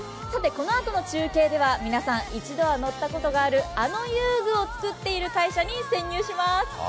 このあとの中継では皆さん、一度は乗ったことのあるあの遊具をつくっている会社に潜入します。